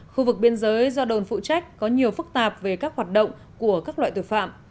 khu vực biên giới do đồn phụ trách có nhiều phức tạp về các hoạt động của các loại tội phạm